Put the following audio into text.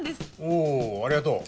おおありがとう。